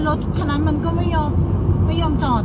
รถขนาดมันก็ไม่ยอมไม่ยอมจอด